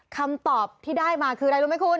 คำตอบที่ได้มาคืออะไรรู้ไหมคุณ